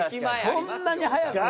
そんなに早く。